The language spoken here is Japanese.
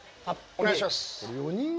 お願いします。